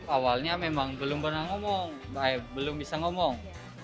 awalnya memang belum pernah ngomong belum bisa ngomong